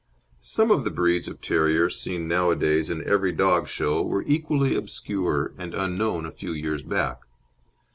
Some of the breeds of terriers seen nowadays in every dog show were equally obscure and unknown a few years back.